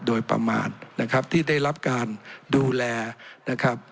โดยประมาณนะครับที่ได้รับการดูแลนะครับ